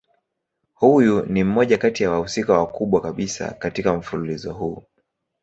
Huyu ni mmoja kati ya wahusika wakubwa kabisa katika mfululizo huu.